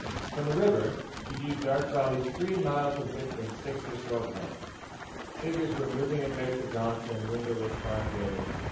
From the ridge, he viewed Dark Valley's three miles of width and six or so of length. Figures were moving about the gaunt and windowless farm buildings.